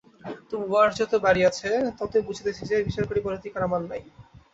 তবু বয়স যত বাড়িয়াছে, ততই বুঝিতেছি যে, বিচার করিবার অধিকার আমার নাই।